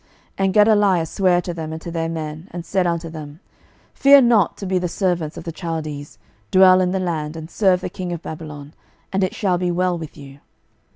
12:025:024 And Gedaliah sware to them, and to their men, and said unto them, Fear not to be the servants of the Chaldees: dwell in the land, and serve the king of Babylon; and it shall be well with you.